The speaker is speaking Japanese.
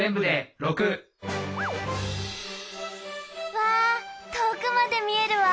わぁ遠くまで見えるわ。